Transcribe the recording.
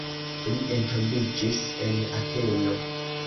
Li entombiĝis en Ateno.